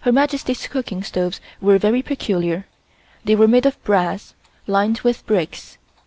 Her Majesty's cooking stoves were very peculiar. They were made of brass, lined with bricks.